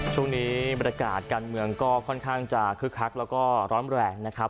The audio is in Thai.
ช่วงนี้บรรยากาศการเมืองก็ค่อนข้างจะคึกคักแล้วก็ร้อนแรงนะครับ